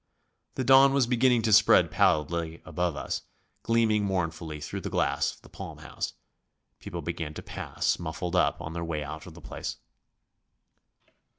The dawn was beginning to spread pallidly above us, gleaming mournfully through the glass of the palm house. People began to pass, muffled up, on their way out of the place.